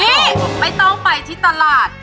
นี่ไม่ต้องไปที่ตลาด